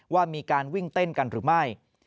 ว่ามีการวิ่งเต้นกันหรือไม่